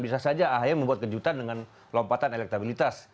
bisa saja ahy membuat kejutan dengan lompatan elektabilitas